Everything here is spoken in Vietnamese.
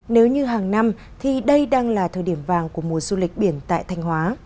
nếu như hàng năm thì đây đang là thời điểm vàng của mùa du lịch biển tại thanh hóa